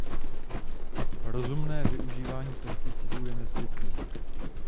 Rozumné využívání pesticidů je nezbytné.